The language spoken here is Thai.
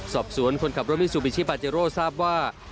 สอบสวนคนขับรถมิซูบิชิปาเจโร่ทราบว่า